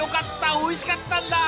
おいしかったんだ！